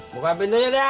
buka pintunya dah